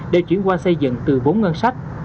để chuyển qua xây dựng từ vốn ngân sách